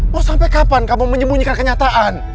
mau sampai kapan kamu menyembunyikan kenyataan